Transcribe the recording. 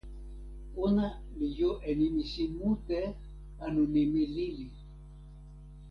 ona li jo e nimi sin mute anu nimi lili.